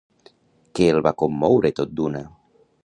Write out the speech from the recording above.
Què el va commoure tot d'una?